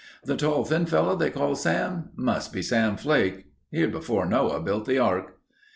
"The tall thin fellow they called Sam? Must be Sam Flake. Here before Noah built the ark."